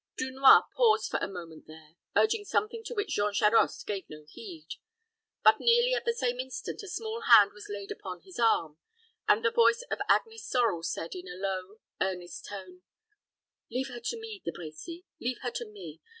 Dunois paused for a moment there, urging something to which Jean Charost gave no heed; but nearly at the same instant a small hand was laid upon his arm, and the voice of Agnes Sorel said, in a low, earnest tone, "Leave her to me, De Brecy; leave her to me.